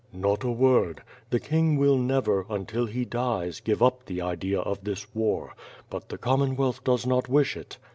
"Not a word. The king will never, until he dies, give up the idea of this war; but the Commonwealth does not wish it."